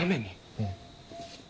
うん。